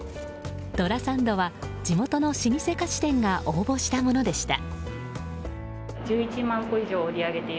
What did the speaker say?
どらサンドは地元の老舗菓子店が応募したものでした。